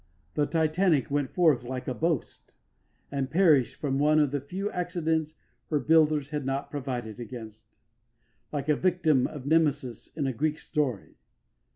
The Titanic went forth like a boast, and perished from one of the few accidents her builders had not provided against, like a victim of Nemesis in a Greek story.